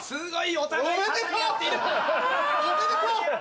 おめでとう！